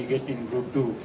karena ini sangat berkumpul